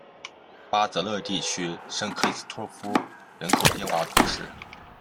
巴泽勒地区圣克里斯托夫人口变化图示